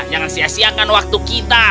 jangan sia siakan waktu kita